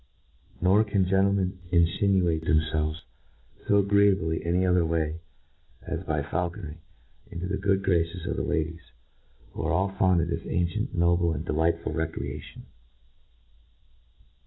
Nor can gentlemen infinuate them fclves fo agreeably any other way, as by faulcon ty, into the good graces of the ladies, who are all fond of this anciciit, noble, and delightful * tecreatiofl.